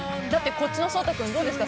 こっちの颯太君、どうですか？